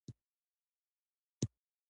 د هرات په ادرسکن کې د ډبرو سکاره شته.